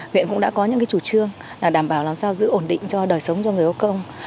huyện cũng đã có những chủ trương đảm bảo làm sao giữ ổn định cho đời sống cho người có công